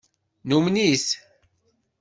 Numen-it.